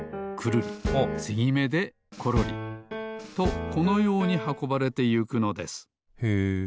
つぎめでコロリ。とこのようにはこばれてゆくのですへえ。